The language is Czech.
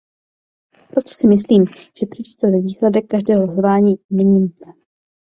Proto si myslím, že předčítat výsledek každého hlasování není nutné.